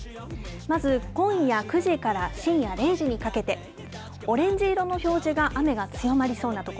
まず今夜９時から深夜０時にかけて、オレンジ色の表示が雨が強まりそうな所。